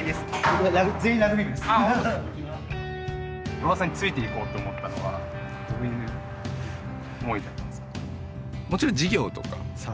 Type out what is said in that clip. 小川さんについていこうと思ったのはどういう思いだったんですか？